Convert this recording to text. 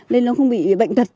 nên nó không bị bệnh tật